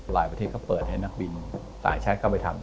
ประเทศเขาเปิดให้นักบินต่างชาติเข้าไปทำ